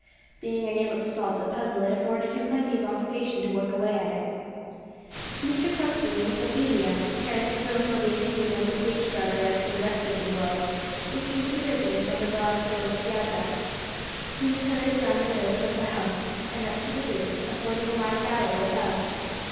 Being unable to solve the puzzle, it afforded him plenty of occupation to work away at it. Mr. Clemcy and Miss Ophelia, caring as little for the opinion of the stage driver as for the rest of the world, received the visitors on the broad stone piazza, whose pillars ran the length of the house, and up to the roof, affording a wide gallery above.